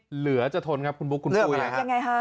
เหลือจะทนครับคุณบุ๊คคุณปุ๊ยอย่างไรครับอย่างไรคะ